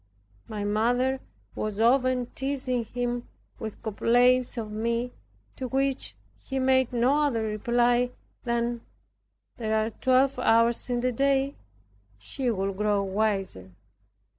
My mother was often teasing him with complaints of me, to which he made no other reply than, "There are twelve hours in the day; she'll grow wiser."